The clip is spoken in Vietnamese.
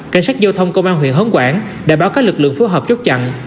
cảnh sát giao thông công an huyện hấn quảng đã báo các lực lượng phù hợp chốt chặn